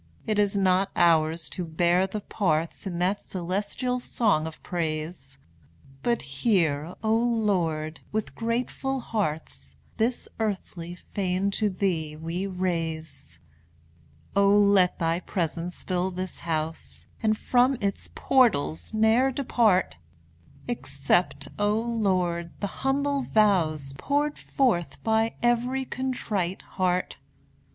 It is not ours to bear the parts In that celestial song of praise; But here, O Lord! with grateful hearts, This earthly fane to Thee we raise. O let thy presence fill this house, And from its portals ne'er depart! Accept, O Lord! the humble vows Poured forth by every contrite heart!